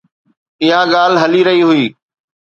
اها ڳالهه هلي رهي هئي.